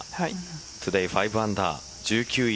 トゥデイ５アンダー１９位